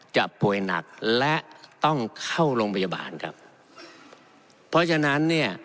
ป่วยหนักและต้องเข้าโรงพยาบาลครับเพราะฉะนั้นเนี่ย